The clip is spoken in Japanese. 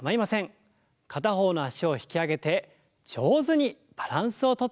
片方の脚を引き上げて上手にバランスをとっていきましょう。